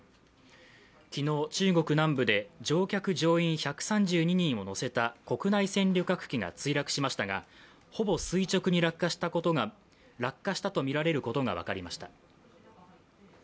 昨日、中国南部で乗客・乗員１３２人を乗せた国内線旅客機が墜落しましたが、ほぼ垂直に落下したとみられることが分かりました。